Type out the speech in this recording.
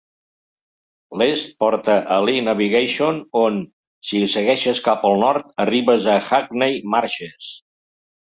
L'est porta a Lee Navigation on, si segueixes cap al nord, arribes a Hackney Marshes.